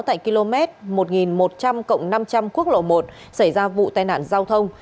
tại km một nghìn một trăm linh năm trăm linh quốc lộ một xảy ra vụ tai nạn giao thông